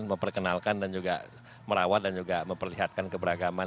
memperkenalkan dan juga merawat dan juga memperlihatkan keberagaman